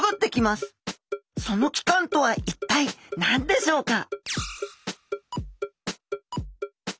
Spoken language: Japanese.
その器官とは一体何でしょうか？